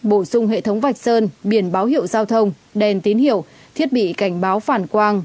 bổ sung hệ thống vạch sơn biển báo hiệu giao thông đèn tín hiệu thiết bị cảnh báo phản quang